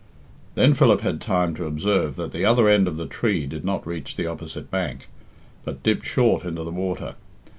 Then Philip had time to observe that the other end of the tree did not reach the opposite bank, but dipped short into the water.